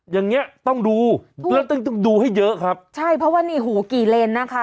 อย่างเงี้ยต้องดูแล้วต้องต้องดูให้เยอะครับใช่เพราะว่านี่หูกี่เลนนะคะ